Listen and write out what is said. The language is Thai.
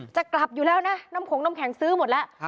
จะกลับอยู่แล้วนะน้ำขงน้ำแข็งซื้อหมดแล้ว